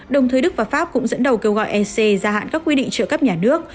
đồng thời đức và pháp cũng dẫn đầu kêu gọi ec gia hạn các quy định trợ cấp nhà nước